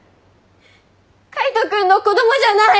海斗君の子供じゃない！